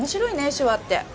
手話って。